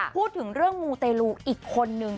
พูดถึงเรื่องมูเตลูอีกคนนึง